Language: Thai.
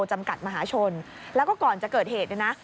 จำกัดมหาชนแล้วก็ก่อนจะเกิดเหตุเนี่ยนะ